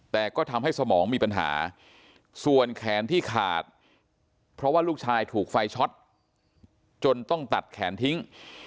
แต่ก็ทำให้สมองมีปัญหาส่วนแขนที่ขาดเพราะว่าลูกชายถูกไฟช็อตจนต้องตัดแขนทิ้ง